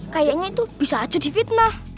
kayaknya itu bisa aja di fitnah